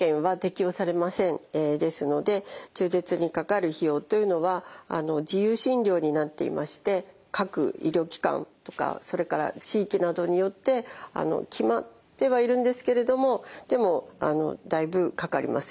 ですので中絶にかかる費用というのは自由診療になっていまして各医療機関とかそれから地域などによって決まってはいるんですけれどもでもだいぶかかりますよね。